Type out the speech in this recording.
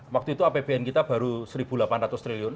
waktu itu apbn kita baru rp satu delapan ratus triliun